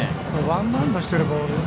ワンバウンドしているボールを